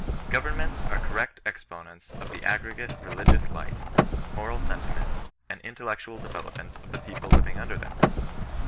Governments are correct exponents of the aggregate religious light, moral sentiment, and intellectual development of the people living under them.